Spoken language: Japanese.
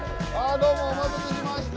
どうもお待たせしました。